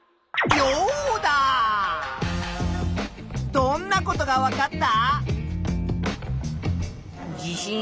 どんなことがわかった？